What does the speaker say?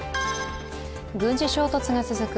軍事衝突が続く